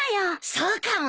そうかもね。